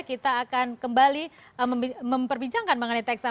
kita akan kembali memperbincangkan mengenai tech amnesty